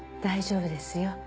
大丈夫ですよ。